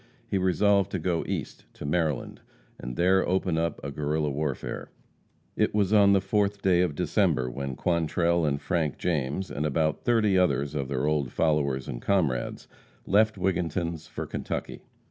He resolved to go East, to Maryland, and there open up a Guerrilla warfare. It was on the fourth day of December when Quantrell and Frank James and about thirty others of their old followers and comrades left Wigginton's for Kentucky.